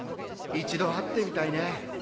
一度会ってみたいね